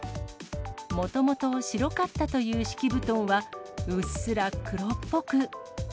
もともと白かったという敷布団は、うっすら黒っぽく。